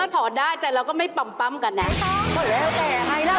หมดแล้วแก่ไงแล้ว